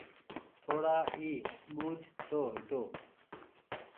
ٿوڙا اي ٻوجه تو هيتو